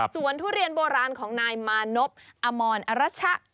ทุเรียนโบราณของนายมานพอมรอรัชชะ